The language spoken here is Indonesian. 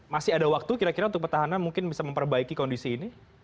masih ada waktu kira kira untuk petahana mungkin bisa memperbaiki kondisi ini